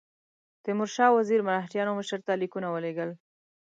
تیمورشاه وزیر مرهټیانو مشر ته لیکونه ولېږل.